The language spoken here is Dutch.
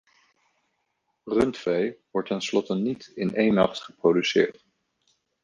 Rundvee wordt tenslotte niet in een nacht geproduceerd.